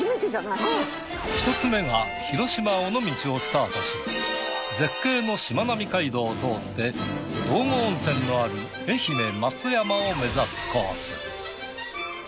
１つ目が広島尾道をスタートし絶景のしまなみ海道を通って道後温泉のある愛媛松山を目指すコース。